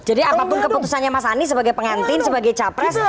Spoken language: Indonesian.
jadi apapun keputusannya mas ani sebagai pengantin sebagai cawa pres